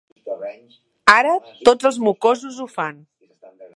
Ara tots els mocosos ho fan.